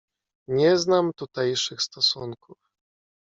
"Nie znam tutejszych stosunków."